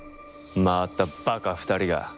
まーた、バカ２人が。